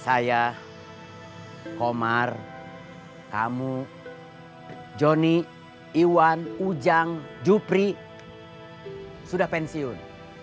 saya komar kamu joni iwan ujang jupri sudah pensiun